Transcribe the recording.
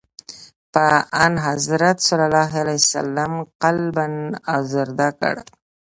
چي آنحضرت ص یې قلباً آزرده کړ.